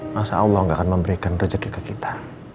masa allah enggak akan memberikan rejeki ke kita